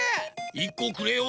１こくれよ。